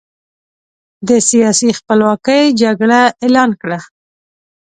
د سیاسي خپلواکۍ جګړه اعلان کړه.